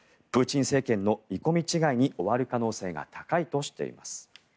プーチン政権の見込み違いに終わる可能性が高いとしています。